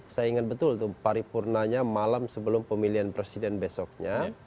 saya ingat betul tuh paripurnanya malam sebelum pemilihan presiden besoknya